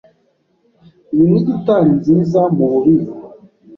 Iyi ni gitari nziza mububiko.